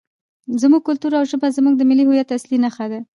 زموږ کلتور او ژبه زموږ د ملي هویت اصلي نښې دي.